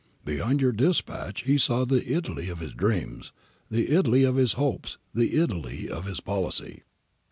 Behind your dispatch he saw the Italy of his dreams, the Italy of his hopes, the Italy of his policy.'